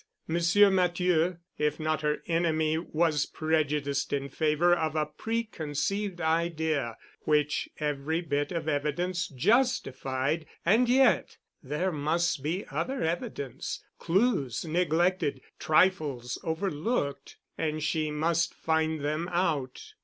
Monsieur Matthieu, if not her enemy, was prejudiced in favor of a pre conceived idea which every bit of evidence justified, and yet there must be other evidence—clues neglected, trifles overlooked—and she must find them out.